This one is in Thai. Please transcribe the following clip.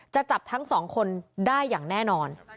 จะจับทั้งสองคนได้อย่างแน่นอน